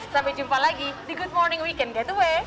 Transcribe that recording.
sampai jumpa lagi di good morning weekend getaway